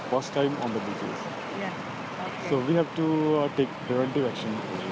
jadi kami harus bergerak dengan berhenti